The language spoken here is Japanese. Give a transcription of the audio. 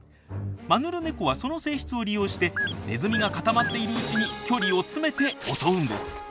マヌルネコはその性質を利用してネズミが固まっているうちに距離を詰めて襲うんです。